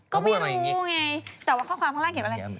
ก็ไม่รู้ไง